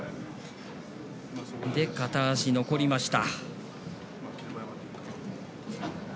それで片足残りました。